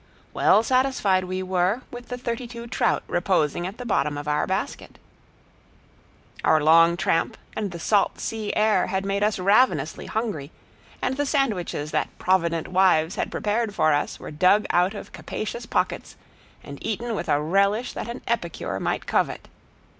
Well satisfied we were with the thirty two trout reposing at the bottom of our basket. Our long tramp and the salt sea air had made us ravenously hungry, and the sandwiches that provident wives had prepared for us were dug out of capacious pockets and eaten with a relish that an epicure might covet.